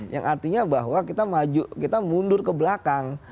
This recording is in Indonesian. yang artinya bahwa kita mundur ke belakang